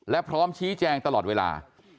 และพร้อมชี้แจงตลอดเวลา